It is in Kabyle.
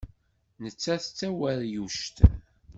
Nettat d taweryuct.